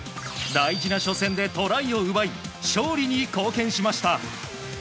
大事な初戦でトライを奪い勝利に貢献しました。